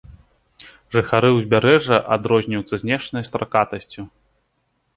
Жыхары ўзбярэжжа адрозніваюцца знешняй стракатасцю.